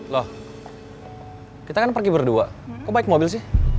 loh kita kan pergi berdua kok baik mobil sih